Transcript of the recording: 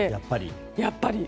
やっぱり。